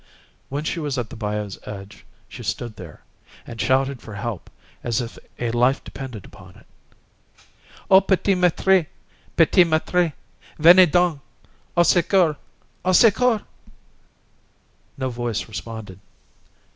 When she was at the bayou's edge she stood there, and shouted for help as if a life depended upon it:— "Oh, P'tit Maître! P'tit Maître! Venez donc! Au secours! Au secours!" No voice responded.